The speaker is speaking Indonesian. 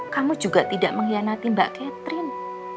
kamu juga tidak mengkhianati mbak catherine